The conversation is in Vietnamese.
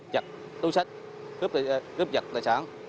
giật túi sách cướp giật tài sản